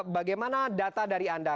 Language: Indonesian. bagaimana data dari anda